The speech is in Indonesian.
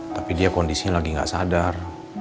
tapi dia kondisinya lagi nggak sadar